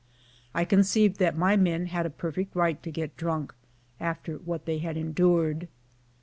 I conceived that my men had a per fect right to get drunk after what they had endured.